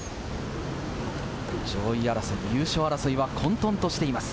上位争い、優勝争いは混沌としています。